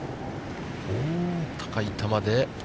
高い球で。